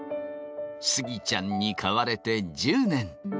スギちゃんに買われて１０年。